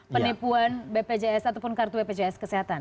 penipuan bpjs ataupun kartu bpjs kesehatan